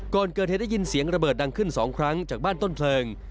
ก่อนเกิดเหตุได้ยินเสียงระเบิดดังขึ้น๒ครั้งจากบ้านต้นเพลิง